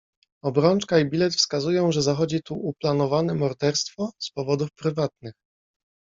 "Obrączka i bilet wskazują, że zachodzi tu uplanowane morderstwo z powodów prywatnych."